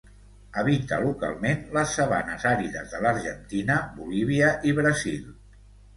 Habita localment les sabanes àrides de l'Argentina, Bolívia i Brasil.